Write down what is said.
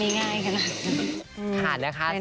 มันก็ไม่ง่ายขนาดนั้น